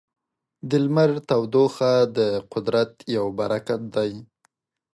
د لمر تودوخه د قدرت یو برکت دی.